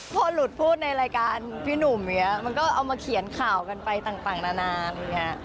พอหลุดพูดในรายการพี่หนุ่มอย่างนี้มันก็เอามาเขียนข่าวกันไปต่างนานาอะไรอย่างนี้